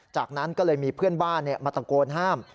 จากนั้นก็เลยมีเพื่อนบ้านมาตะโกนห้าม